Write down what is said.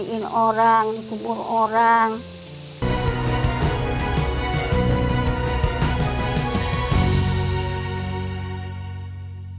tapi saling memberikanana